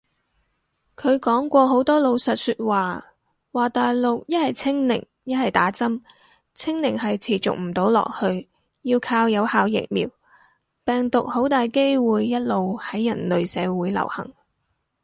佢講過好多老實說話，話大陸一係清零一係打針，清零係持續唔到落去，要靠有效疫苗，病毒好大機會一路喺人類社會流行